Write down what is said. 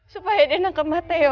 supaya dia nangkep mateo